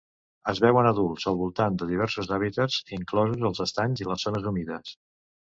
Es veuen adults al voltant de diversos hàbitats, inclosos els estanys i les zones humides.